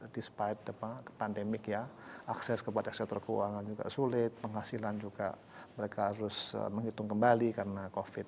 despite pandemic ya akses kepada sektor keuangan juga sulit penghasilan juga mereka harus menghitung kembali karena covid